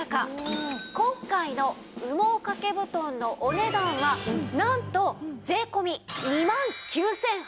今回の羽毛掛け布団のお値段はなんと税込２万９８００円です。